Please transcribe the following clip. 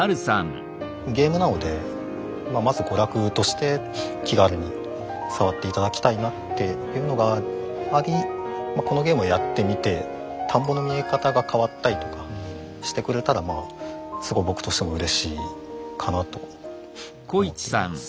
ゲームなのでまず娯楽として気軽に触って頂きたいなっていうのがありこのゲームをやってみて田んぼの見え方が変わったりとかしてくれたらまあすごい僕としてもうれしいかなと思っています。